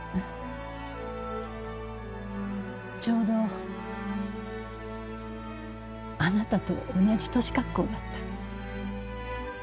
ちょうどあなたと同じ年格好だった。